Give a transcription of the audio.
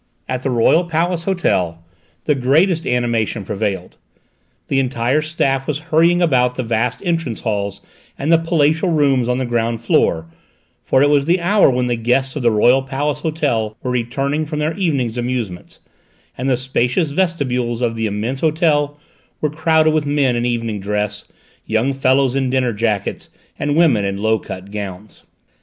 At the Royal Palace Hotel the greatest animation prevailed. The entire staff was hurrying about the vast entrance halls and the palatial rooms on the ground floor; for it was the hour when the guests of the Royal Palace Hotel were returning from their evening's amusements, and the spacious vestibules of the immense hotel were crowded with men in evening dress, young fellows in dinner jackets, and women in low cut gowns.